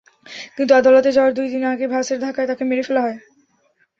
কিন্তু আদালতে যাওয়ার দুই দিন আগে বাসের ধাক্কায় তাঁকে মেরে ফেলা হয়।